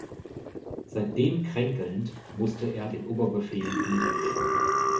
Seitdem kränkelnd, musste er den Oberbefehl niederlegen.